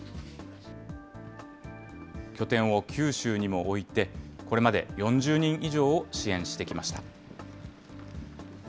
拠点を九州にも置いて、これまで４０人以上を支援してきました。